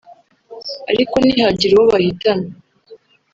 ariko ntihagira uwo bahitana